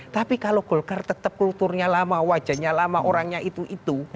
tapi kalau golkar tetap kulturnya lama wajahnya lama orangnya itu itu